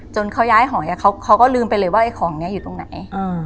เขาย้ายหอยเขาก็ลืมไปเลยว่าไอ้ของนี้อยู่ตรงไหน